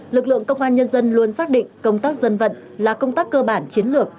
lực lượng công an nhân dân luôn xác định công tác dân vận là công tác cơ bản chiến lược